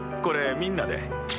これみんなで。